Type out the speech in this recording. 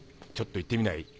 ちょっと行ってみない？